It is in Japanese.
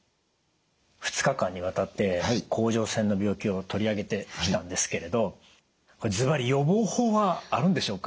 ２日間にわたって甲状腺の病気を取り上げてきたんですけれどずばり予防法はあるんでしょうか？